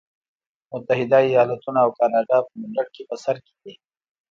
متحده ایالتونه او کاناډا په نوملړ کې په سر کې دي.